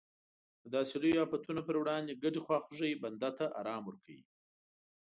د داسې لویو افتونو پر وړاندې ګډې خواخوږۍ بنده ته ارام ورکوي.